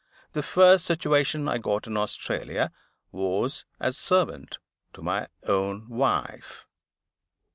The first situation I got in Australia was as servant to my own wife.